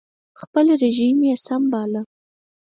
خپل رژیم یې سم باله